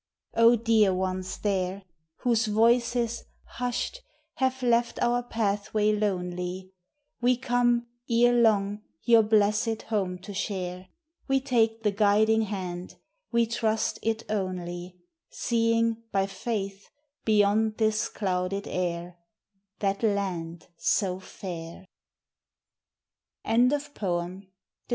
O dear ones there ! Whose voices, hushed, have left our pathway lonelv, l> 7 We come, erelong, your blessed home to share; We take the guiding hand, we trust it only — Seeing, by faith, beyond this clouded air, That land so fair!